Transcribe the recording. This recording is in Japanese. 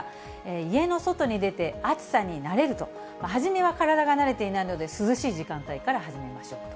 家の外に出て暑さに慣れると、初めは体が慣れていないので、涼しい時間帯から始めましょうと。